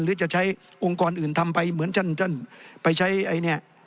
หรือจะใช้องค์กรอื่นทำไปเหมือนท่านไปใช้ไอ้เนี่ย